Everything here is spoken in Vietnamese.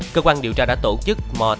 cơ quan điều tra đã tổ chức mò tiêu